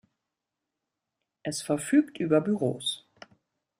Es verfügt über Büros.